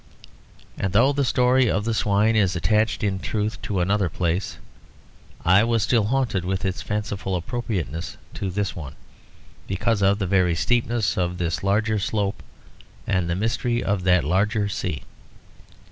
And though the story of the swine is attached in truth to another place, I was still haunted with its fanciful appropriateness to this one, because of the very steepness of this larger slope and the mystery of that larger sea.